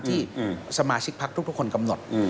ที่สมาชิกพักทุกคนกำหนด